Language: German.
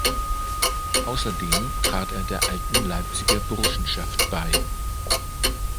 Außerdem trat er der Alten Leipziger Burschenschaft bei.